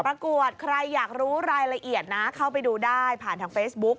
ประกวดใครอยากรู้รายละเอียดนะเข้าไปดูได้ผ่านทางเฟซบุ๊ก